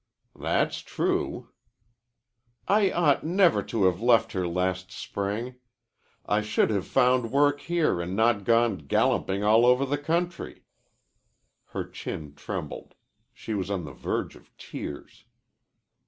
"That's true." "I ought never to have left her last spring. I should have found work here and not gone gallumpin' all over the country." Her chin trembled. She was on the verge of tears.